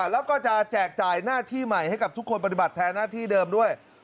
แล้วก็จะแจกจ่ายหน้าที่ใหม่ให้กับทุกคนปฏิบัติแทนหน้าที่เดิมด้วย